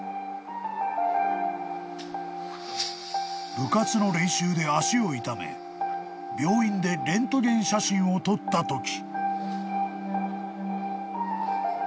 ［部活の練習で足を痛め病院でレントゲン写真を撮ったとき］